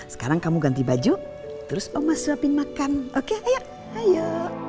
sekarang kamu ganti baju terus oma suapin makan oke ayo ayo